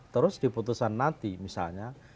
terus di putusan nanti misalnya